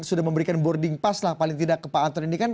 sudah memberikan boarding pass lah paling tidak ke pak anton ini kan